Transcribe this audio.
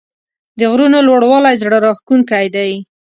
د غرونو لوړوالی زړه راښکونکی دی.